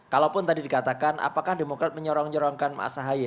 kalaupun tadi dikatakan apakah demokrat menyorong nyorongkan mas ahy